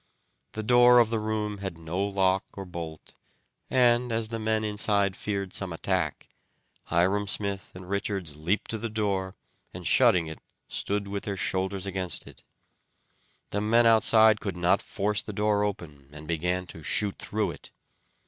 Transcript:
The door of the room had no lock or bolt, and, as the men inside feared some attack, Hyrum Smith and Richards leaped to the door and shutting it stood with their shoulders against it. The men outside could not force the door open, and began to shoot through it.